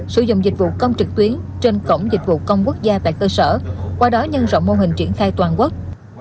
sử dụng dịch vụ công trực tuyến trên cổng dịch vụ công quốc gia tại cơ sở qua đó nhân rộng mô hình triển khai toàn quốc